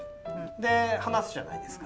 で話すじゃないですか。